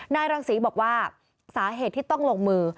นางรังศรีบอกว่าสาเหตุที่ต้องลงมือ